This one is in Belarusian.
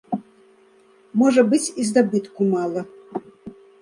Можа быць і здабытку мала.